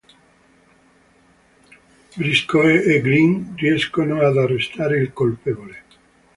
Briscoe e Green riescono ad arrestare il colpevole.